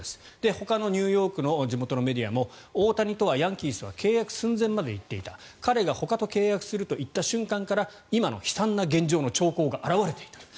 ほかのニューヨークの地元メディアも大谷とはヤンキースは契約寸前まで行っていた彼がほかと契約すると言った瞬間から今の悲惨な現状の兆候は現れていた。